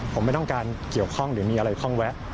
ผมไม่ต้องการเกี่ยวข้องหรือมีอะไรคล่องแวะ